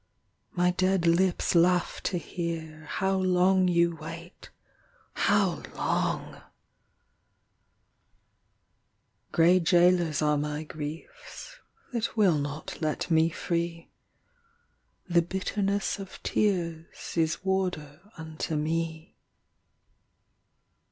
... My dead lips laugh to hear How long you wait ... how long ! Grey gaolers are my griefs That will not let me free; The bitterness of tears Is warder unto me.